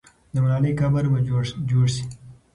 د ملالۍ قبر به جوړ سي.